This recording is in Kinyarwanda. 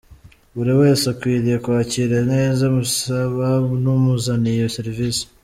Buri wese akwiriye kwakira neza umusaba n’umuzaniye serivisi.